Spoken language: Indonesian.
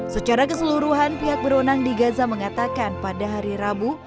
secara keseluruhan pihak berwenang di gaza mengatakan pada hari rabu